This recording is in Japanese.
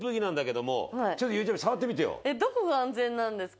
どこが安全なんですか？